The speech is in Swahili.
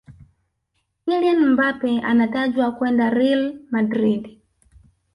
kylian mbappe anatajwa kwenda real madrid